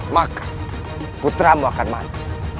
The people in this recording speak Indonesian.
maka putramu akan mati